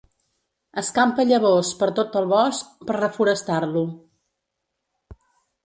Escampa llavors per tot el bosc per reforestar-lo.